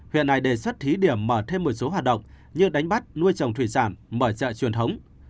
huyện này đề xuất thí điểm mở thêm một số hoạt động như đánh bắt nuôi trồng thủy sản mở chợ truyền thống